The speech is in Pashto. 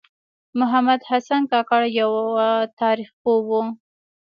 محمد حسن کاکړ یوه تاریخ پوه و .